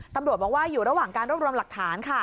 ตำรวจบอกว่าอยู่ระหว่างการรวบรวมหลักฐานค่ะ